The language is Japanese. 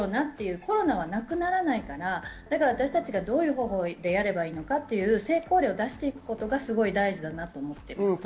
コロナはなくならないから、私たちがどういう方法でやればいいのかという成功例を出していくことが大事だと思っています。